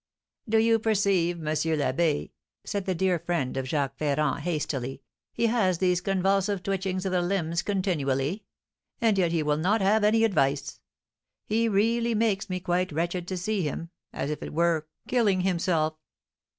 "Do you perceive, M. l'Abbé," said the dear friend of Jacques Ferrand, hastily, "he has these convulsive twitchings of the limbs continually? and yet he will not have any advice. He really makes me quite wretched to see him, as it were, killing himself!